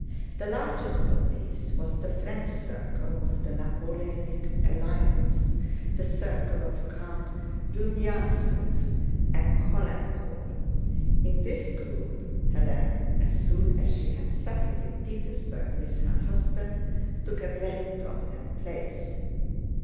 The largest of these was the French circle of the Napoleonic alliance, the circle of Count Rumyántsev and Caulaincourt. In this group Hélène, as soon as she had settled in Petersburg with her husband, took a very prominent place.